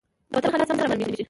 د وطن حالات سم نه رامالومېږي.